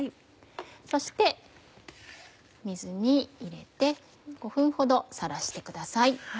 そして水に入れて５分ほどさらしてください。